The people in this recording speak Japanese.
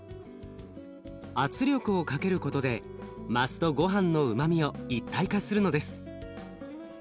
圧力をかけることでマスとごはんのうまみを一体化するのです。